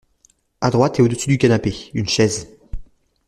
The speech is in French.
À droite et au-dessus du canapé, une chaise.